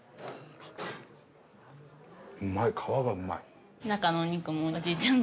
うまい皮がうまい！